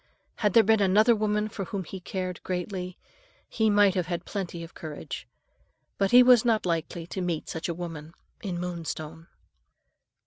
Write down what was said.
Had there been another woman for whom he cared greatly, he might have had plenty of courage; but he was not likely to meet such a woman in Moonstone.